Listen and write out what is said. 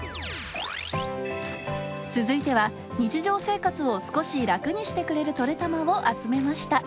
続いては、日常生活を少し楽にしてくれる「トレたま」を集めました。